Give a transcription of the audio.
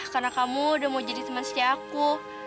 karena kamu udah mau jadi temen setia aku